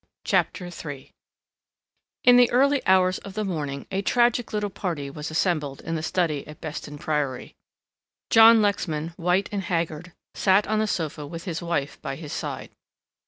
CHAPTER III In the early hours of the morning a tragic little party was assembled in the study at Beston Priory. John Lexman, white and haggard, sat on the sofa with his wife by his side.